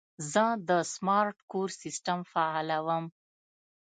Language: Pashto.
زه د سمارټ کور سیسټم فعالوم.